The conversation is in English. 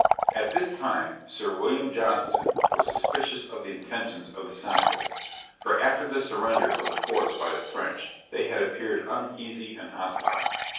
At this time Sir William Johnston was suspicious of the intentions of the Senecas; for after the surrender of the forts by the French, they had appeared uneasy and hostile.